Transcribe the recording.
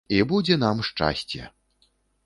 І будзе нам шчасце.